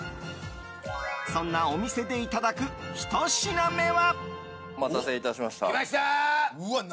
そんなお店でいただく１品目は。